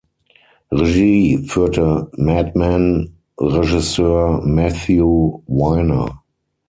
Regie führte Mad Men Regisseur Matthew Weiner.